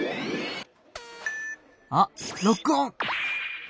あっロックオン！